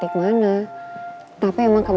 tapi emang kebetulan obat yang mama suruh dia